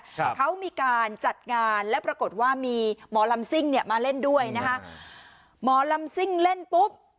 ครับเขามีการจัดงานแล้วปรากฏว่ามีหมอลำซิ่งเนี่ยมาเล่นด้วยนะคะหมอลำซิ่งเล่นปุ๊บ